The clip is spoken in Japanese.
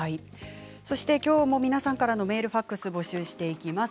きょうも皆さんからメール、ファックスを募集していきます。